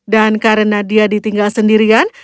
dan karena dia ditinggal sendirian